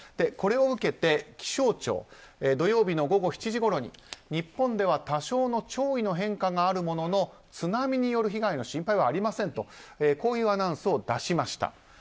これを受けて、気象庁土曜日の午後７時ごろに日本では多少の潮位の変化があるものの津波による被害の心配はありませんとこういうアナウンスを出しました。